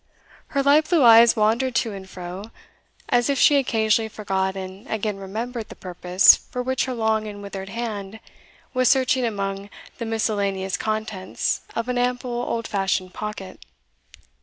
Her light blue eyes wandered to and fro, as if she occasionally forgot and again remembered the purpose for which her long and withered hand was searching among the miscellaneous contents of an ample old fashioned pocket.